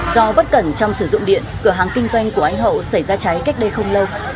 do bất cẩn trong sử dụng điện cửa hàng kinh doanh của anh hậu xảy ra cháy cách đây không lâu